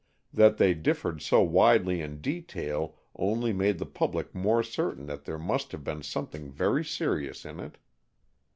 That they differed so widely in detail only made the public more certain that there must have been something very serious in it.